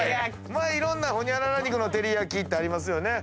まあいろんなホニャララ肉の照り焼きってありますよね。